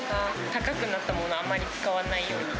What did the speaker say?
高くなったものはあまり使わないように。